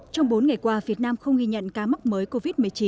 trong bốn ngày qua việt nam không ghi nhận ca mắc mới covid một mươi chín